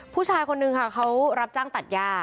ผู้ชายคนนึงค่ะเขารับจ้างตัดย่า